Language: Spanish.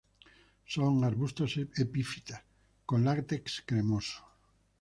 Son arbustos epífitas, con látex cremoso.